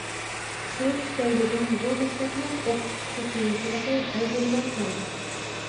شۇ تۈپەيلىدىن بۇ مەكتەپنىڭ ئوقۇتقۇچى قىيىنچىلىقى ھەل بولماي كەلدى.